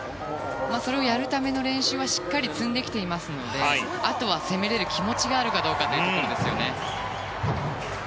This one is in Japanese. それをやるための練習はしっかり積んできていますのであとは攻めれる気持ちがあるかどうかというところですね。